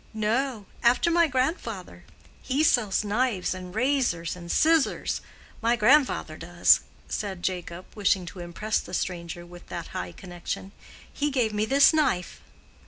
"No, after my grandfather; he sells knives and razors and scissors—my grandfather does," said Jacob, wishing to impress the stranger with that high connection. "He gave me this knife."